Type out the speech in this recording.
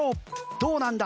どうなんだ？